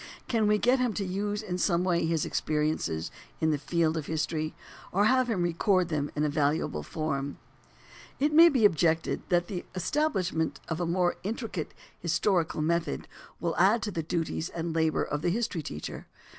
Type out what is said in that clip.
Can we get him to use in some way his experiences in the field of history, or have him record them in a valuable form? It may be objected that the establishment of a more intricate historical method will add to the duties and labor of the history teacher.